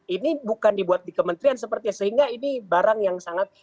ini bukan dibuat di kementerian seperti sehingga ini barang yang sangat